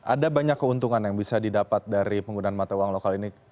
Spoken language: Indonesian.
ada banyak keuntungan yang bisa didapat dari penggunaan mata uang lokal ini